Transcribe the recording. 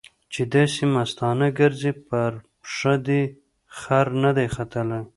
چې داسې مستانه ګرځې؛ پر پښه دې خر نه دی ختلی.